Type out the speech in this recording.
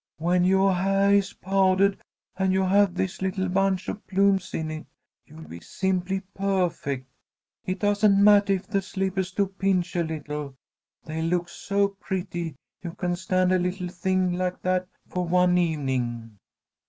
When yoah hair is powdahed and you have this little bunch of plumes in it, you'll be simply perfect. It doesn't mattah if the slippahs do pinch a little. They look so pretty you can stand a little thing like that for one evening."